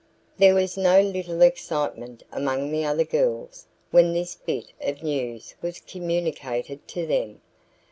There was no little excitement among the other girls when this bit of news was communicated to them.